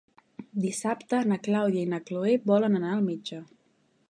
Dissabte na Clàudia i na Cloè volen anar al metge.